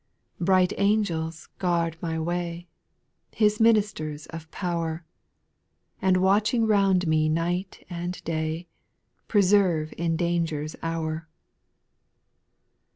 Bright angels guard my way, His ministers of power, And watching round me night and day, Preserve in danger's hour.